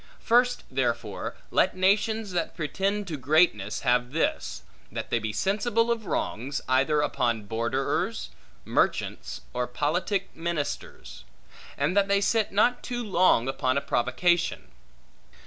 First, therefore, let nations that pretend to greatness have this; that they be sensible of wrongs, either upon borderers, merchants, or politic ministers; and that they sit not too long upon a provocation.